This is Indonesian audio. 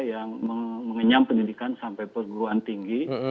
yang mengenyam pendidikan sampai perguruan tinggi